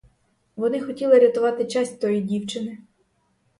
Вони хотіли рятувати честь тої дівчини.